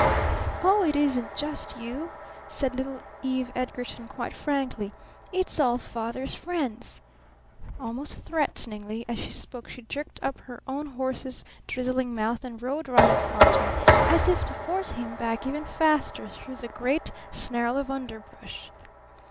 "Oh, it isn't just you!" said little Eve Edgarton quite frankly. "It's all Father's friends." Almost threateningly as she spoke she jerked up her own horse's drizzling mouth and rode right at Barton as if to force him back even faster through the great snarl of underbrush.